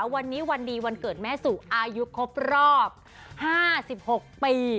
วันนี้วันดีวันเกิดแม่สู่อายุครบรอบ๕๖ปี